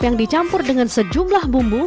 yang dicampur dengan sejumlah bumbu